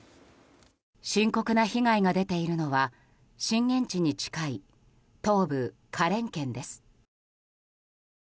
深刻な被害が出ているのは震源地に近い東部・花蓮県です。